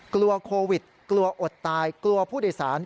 กลัวโควิดกลัวอดตายกลัวผู้โดยสาร